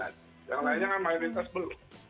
nah yang lainnya kan mayoritas belum